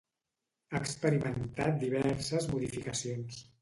Ha experimentat diverses modificacions.